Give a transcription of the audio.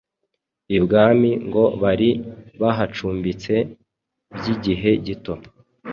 Ibwami ngo bari bahacumbitse by’igihe gito